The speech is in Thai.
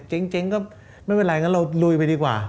เจ๊งก็ไม่เป็นไรงั้นเราลุยไปดีกว่า